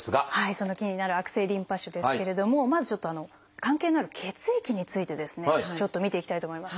その気になる悪性リンパ腫ですけれどもまず関係のある血液についてちょっと見ていきたいと思います。